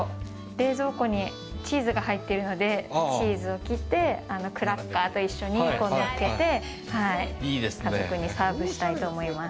冷蔵庫にチーズが入っているのでチーズを切ってクラッカーと一緒にのっけて家族にサーブしたいと思います。